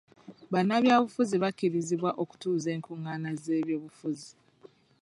Bannabyabufuzi bakkirizibwa okutuuza enkungana z'ebyobufuzi.